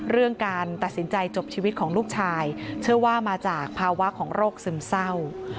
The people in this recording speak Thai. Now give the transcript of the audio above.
เรื่องการตัดสินใจจบชีวิตของลูกชายเชื่อว่ามาจากภาวะของโรคซึมเศร้า